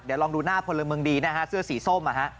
เดี๋ยวลองดูหน้าพลเมืองดีนะฮะเสื้อสีส้ม